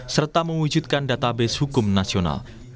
serta mewujudkan database hukum nasional